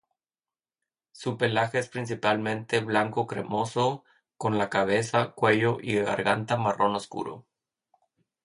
Su pelaje es principalmente blanco cremoso, con la cabeza, cuello y garganta marrón oscuro.